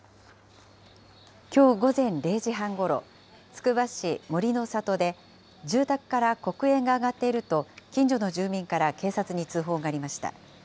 きょう午前０時半ごろ、つくば市森の里で住宅から黒煙が上がっていると、近所の住民から警察に通報がありました。